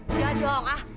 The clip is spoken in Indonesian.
udah dong ah